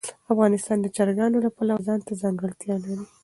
افغانستان د چرګانو له پلوه ځانته ځانګړتیا لري.